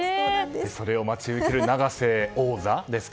それを待ち受ける永瀬王座ですか。